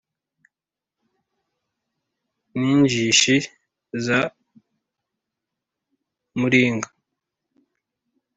n'injishi za muringa